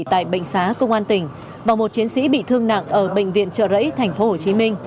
tại bệnh xá công an tỉnh và một chiến sĩ bị thương nặng ở bệnh viện trợ rẫy tp hcm